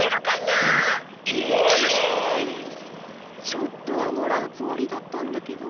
ちょっとはもらうつもりだったんだけど。